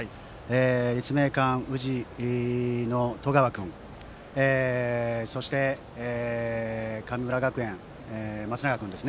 立命館宇治の十川君そして、神村学園の松永君。